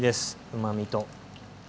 うまみと。